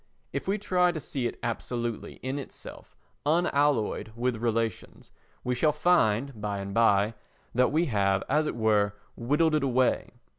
If we try to see it absolutely in itself, unalloyed with relations, we shall find, by and by, that we have, as it were, whittled it away.